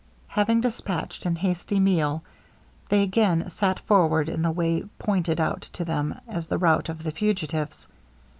Having dispatched an hasty meal, they again set forward in the way pointed out to them as the route of the fugitives.